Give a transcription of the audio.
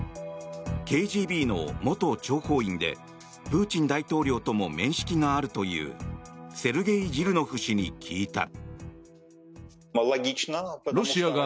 ＫＧＢの元諜報員でプーチン大統領とも面識があるというセルゲイ・ジルノフ氏に聞いた。